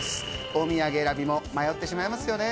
お土産選びも迷ってしまいますよね。